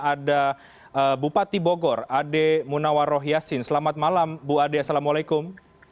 ada bupati bogor ade munawarroh yassin selamat malam bu ade assalamualaikum